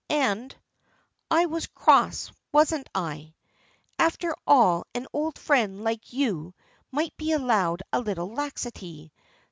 "And I was cross, wasn't I? After all an old friend like you might be allowed a little laxity.